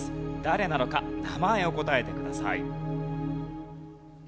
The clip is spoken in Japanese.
誰なのか名前を答えてください。